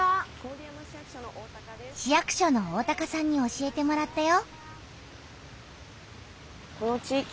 市役所の大さんに教えてもらったよ。